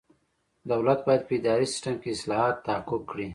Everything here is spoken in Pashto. دولت باید په اداري سیسټم کې اصلاحات تحقق کړي.